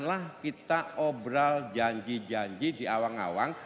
ada janji janji di awang awang